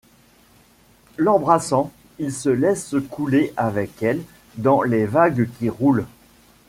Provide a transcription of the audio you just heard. L'embrassant, il se laisse couler avec elle dans les vagues qui roulent.